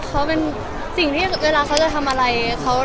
เขาเป็นสิ่งที่เวลาเขาจะทำอะไร